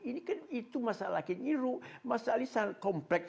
ini kan itu masalah keinginan masalah ini sangat kompleks